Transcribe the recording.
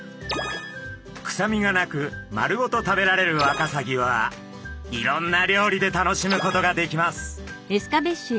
臭みがなく丸ごと食べられるワカサギはいろんな料理で楽しむことができます。